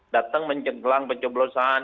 datang menceglang penceblosan